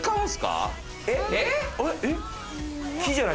えっ？